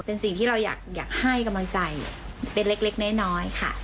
เป็นสิ่งที่เราอยากให้กำลังใจเป็นเล็กน้อยค่ะ